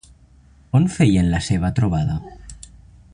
On feien la seva trobada?